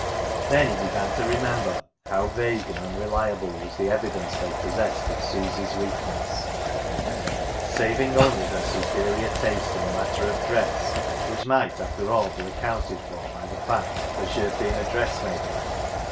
Then he began to remember how vague and unreliable was the evidence they possessed of Susy's weakness, saving only her superior taste in the matter of dress, which might, after all, be accounted for by the fact that she had been a dressmaker.